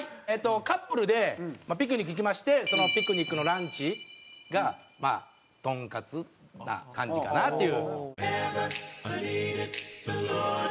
えっとカップルでピクニック行きましてそのピクニックのランチがとんかつな感じかなっていう。